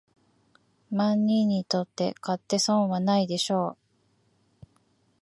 万人にとって買って損はないでしょう